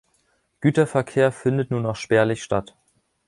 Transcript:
Güterverkehr findet nur noch spärlich statt.